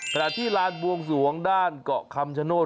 ขณะที่ลานบวงสวงด้านเกาะคำชโนธ